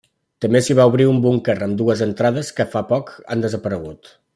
També s'hi va obrir un búnquer amb dues entrades que fa poc han desaparegut.